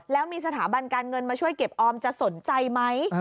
แล้วมีสถาบันการเงินมาช่วยเก็บออมจะสนใจไหม